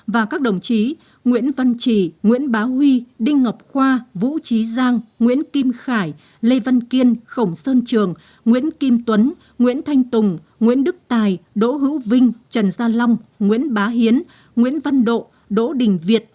và các đồng chí nguyễn văn trì nguyễn bá huy đinh ngọc khoa vũ trí giang nguyễn kim khải lê văn kiên khổng sơn trường nguyễn kim tuấn nguyễn thanh tùng nguyễn đức tài đỗ hữu vinh trần gia long nguyễn bá hiến nguyễn văn độ đỗ đình việt